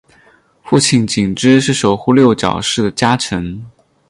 父亲景之是守护六角氏的家臣。